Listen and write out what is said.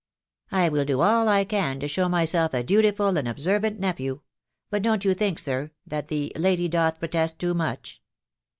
I " I will do all I can to show myself a dutiful and ob servant nephew. ... But don't you think, sir, that ' the lady doth protest too much